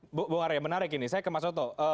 mas arya menarik ini saya ke mas otto